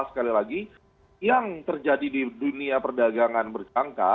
sekali lagi yang terjadi di dunia perdagangan bersangka